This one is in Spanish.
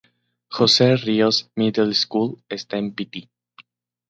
Jose Rios Middle School está en Piti.